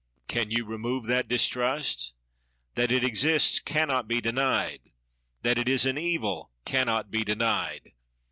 Can you remove that distrust ? That it exists can not be denied. That it is an evil can not be denied.